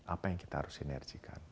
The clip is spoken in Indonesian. apa yang kita harus sinergikan